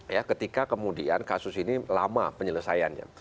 ya ketika kemudian kasus ini lama penyelesaiannya